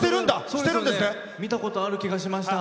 見たことある気がしました。